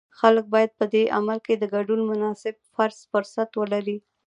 خلک باید په دې عمل کې د ګډون مناسب فرصت ولري.